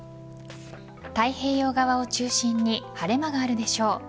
太平洋側を中心に晴れ間があるでしょう。